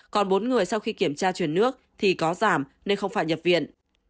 còn bốn người sau khi kiểm tra chuyển nước thì có giảm nên không phải nhập viện